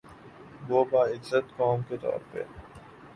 وہ باعزت قوم کے طور پہ